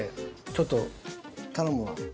ちょっと頼むわ。